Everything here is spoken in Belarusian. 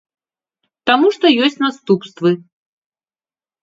Таму што ёсць наступствы.